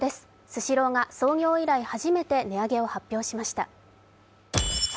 スシローが創業以来初めて値上げを発表しました。